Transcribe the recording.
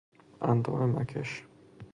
اندام مکش